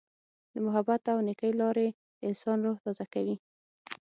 د محبت او نیکۍ لارې د انسان روح تازه کوي.